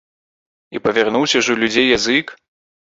І павярнуўся ж у людзей язык!